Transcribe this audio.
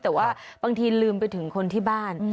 แต่ว่าบางทีลืมไปถึงคนที่บ้าน